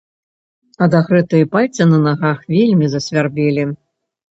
Адагрэтыя пальцы на нагах вельмі засвярбелі.